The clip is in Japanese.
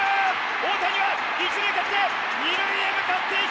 大谷は一塁蹴って二塁へ向かっていきました！